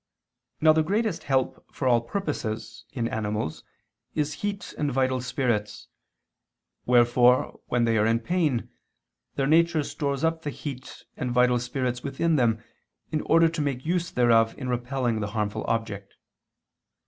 Now the greatest help for all purposes, in animals, is heat and vital spirits: wherefore when they are in pain, their nature stores up the heat and vital spirits within them, in order to make use thereof in repelling the harmful object.